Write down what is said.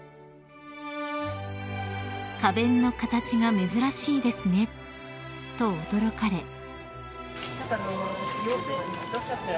［「花弁の形が珍しいですね」と驚かれ］